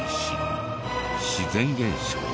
自然現象？